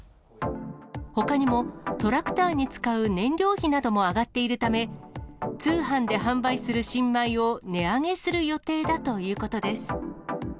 ほかにもトラクターに使う燃料費なども上がっているため、通販で販売する新米を値上げする予定だということです。